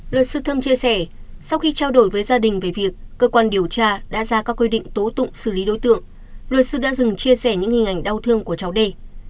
luật sư thâm chia sẻ sau khi trao đổi với gia đình về việc cơ quan điều tra đã ra các quy định tố tụng xử lý đối tượng luật sư đã dừng chia sẻ những hình ảnh đau thương của cháu đê